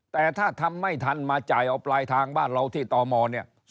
แต่ถ้าทำไม่ทันมาจ่ายเอาปลายทางบ้านเราที่ตมเนี่ย